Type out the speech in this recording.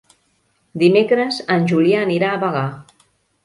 Dimecres en Julià anirà a Bagà.